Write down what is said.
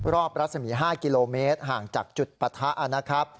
รอบราศมี๕กิโลเมตรห่างจากจุดปะทะ